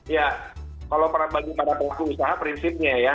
ya kalau bagi para pelaku usaha prinsipnya ya